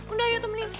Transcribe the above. udah ayo temenin